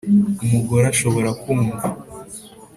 umugore ashobora kumva